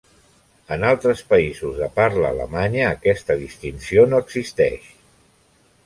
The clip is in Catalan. En altres països de parla alemanya aquesta distinció no existeix.